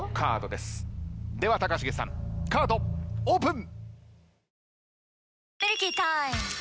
では高重さんカードオープン。